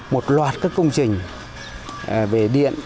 một loạt các công trình về điện